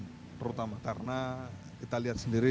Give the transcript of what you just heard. terutama karena kita lihat sendiri